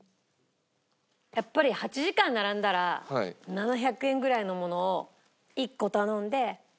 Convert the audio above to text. やっぱり８時間並んだら７００円ぐらいのものを１個頼んで。